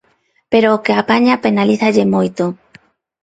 Pero o que apaña penalízalle moito.